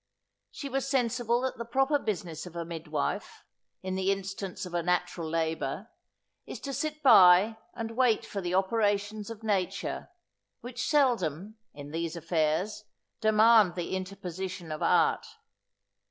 She was sensible that the proper business of a midwife, in the instance of a natural labour, is to sit by and wait for the operations of nature, which seldom, in these affairs, demand the interposition of art.